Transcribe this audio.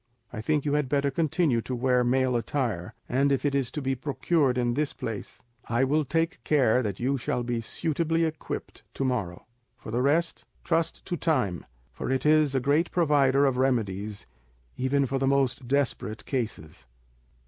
I think you had better continue to wear male attire, and if it is to be procured in this place, I will take care that you shall be suitably equipped to morrow. For the rest, trust to time, for it is a great provider of remedies even for the most desperate cases."